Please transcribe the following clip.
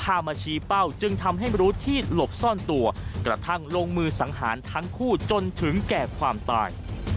พามาชี้เป้าจึงทำให้รู้ที่หลบซ่อนตัวกระทั่งลงมือสังหารทั้งคู่จนถึงแก่ความตาย